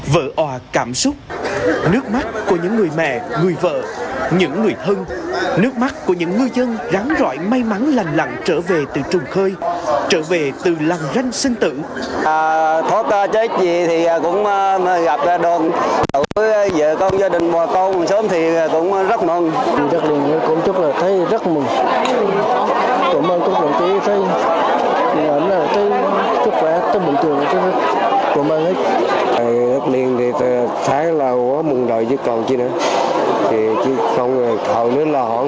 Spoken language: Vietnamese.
vợ òa cảm xúc nước mắt của những người mẹ người vợ những người thân nước mắt của những ngư dân ráng rõi may mắn lành lặng trở về từ trùng khơi trở về từ làng ranh sinh tử